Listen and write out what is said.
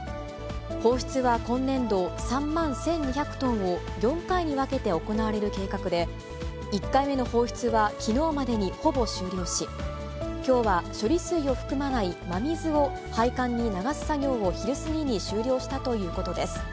放出は今年度、３万１２００トンを４回に分けて行われる計画で、１回目の放出はきのうまでにほぼ終了し、きょうは処理水を含まない真水を配管に流す作業を昼過ぎに終了したということです。